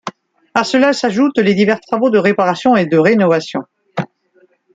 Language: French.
À cela s'ajoutent les divers travaux de réparation et de rénovation.